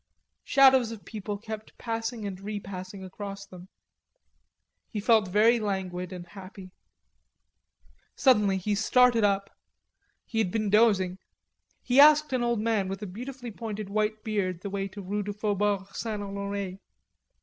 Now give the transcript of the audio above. Shadows of people kept passing and repassing across them. He felt very languid and happy. Suddenly he started up; he had been dozing. He asked an old man with a beautifully pointed white beard the way to rue du Faubourg St. Honore.